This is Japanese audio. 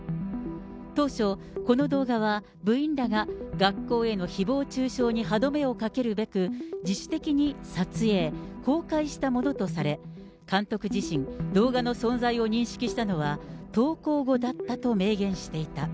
当初、この動画は部員らが学校へのひぼう中傷に歯止めをかけるべく、自主的に撮影、公開したものとされ、監督自身、動画の存在を認識したのは、投稿後だったと明言していた。